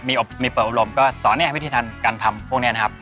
มีเปิดอุดมก็สอนให้วิธีทำการทำพวกนี้นะครับ